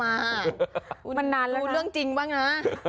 มันนานแล้วนะคุณรู้เรื่องจริงบ้างนะ